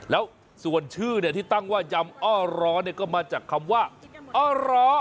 แล้วชื่อเนี้ยที่ตั้งว่ายำเอ้อเนี้ยก็มาจากคำว่าเอ้อจรอ